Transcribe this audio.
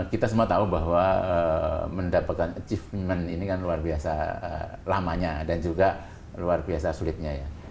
kita semua tahu bahwa mendapatkan achievement ini kan luar biasa lamanya dan juga luar biasa sulitnya ya